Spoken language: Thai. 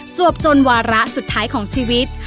วบจนวาระสุดท้ายของชีวิต